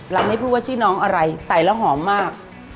ไม่พูดว่าชื่อน้องอะไรใส่แล้วหอมมาก